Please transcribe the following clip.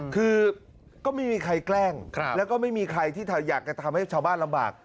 คือก็ไม่มีใครแกล้งแล้วก็ไม่มีใครที่อยากจะทำให้ชาวบ้านลำบาก